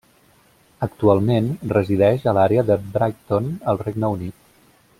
Actualment, resideix a l'àrea de Brighton al Regne Unit.